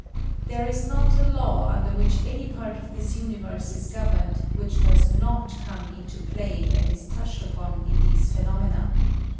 There is not a law under which any part of this univexae la gov erned which does not come iato play and is 10 PRIMITIVE CANDLES, touched upon in these phenomena.